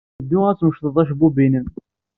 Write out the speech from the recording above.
Ddu ad tmecḍed acebbub-nnem.